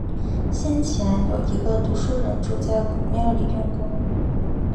先前，有一个读书人住在古庙里用功